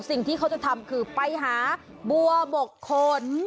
สิ่งที่เขาจะทำคือไปหาบัวบกขน